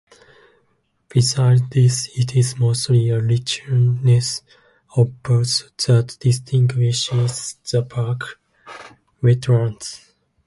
Besides this, it is mostly a richness of birds that distinguishes the park's wetlands.